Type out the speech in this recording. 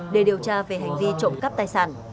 để điều tra về hành vi trộm cắp tài sản